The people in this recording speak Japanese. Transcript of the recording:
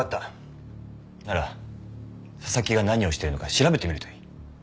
なら紗崎が何をしてるのか調べてみるといい。